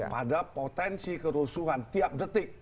pada potensi kerusuhan tiap detik